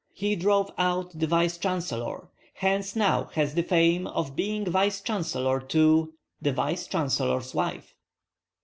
He drove out the vice chancellor; hence now has the fame Of being vice chancellor to the vice chancellor's wife."